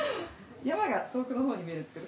山が遠くの方に見えるんですけど。